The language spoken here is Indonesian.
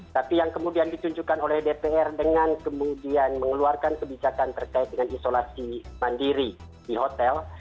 tapi yang kemudian ditunjukkan oleh dpr dengan kemudian mengeluarkan kebijakan terkait dengan isolasi mandiri di hotel